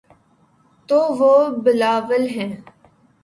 تو وہ بلاول ہیں۔